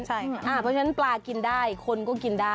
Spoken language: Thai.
เพราะฉะนั้นปลากินได้คนก็กินได้